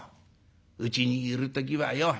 うちにいる時はよ